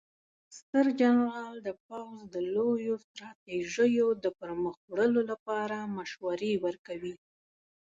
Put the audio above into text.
ستر جنرال د پوځ د لویو ستراتیژیو د پرمخ وړلو لپاره مشورې ورکوي.